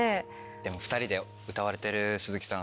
でも２人で歌われてる鈴木さん。